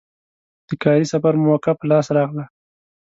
د کاري سفر موکه په لاس راغله.